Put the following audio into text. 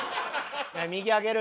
右上げる。